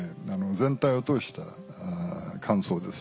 全体を通した感想です。